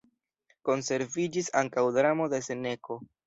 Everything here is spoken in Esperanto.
Konserviĝis ankaŭ dramo de Seneko.